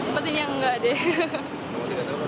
sepertinya enggak deh